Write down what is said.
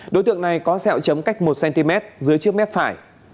đối tượng này có xeo chấm cách một cm dưới trước mép phải